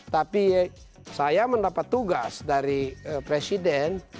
tapi saya mendapat tugas dari presiden